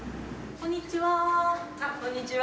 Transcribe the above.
こんにちは。